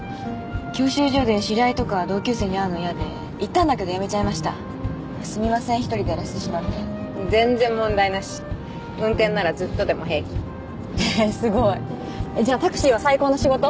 教習所で知り合いとか同級生に会うの嫌で行ったんだけどやめちゃいましたすみません１人でやらせてしまって全然問題なし運転ならずっとでも平気へえーすごいじゃあタクシーは最高の仕事？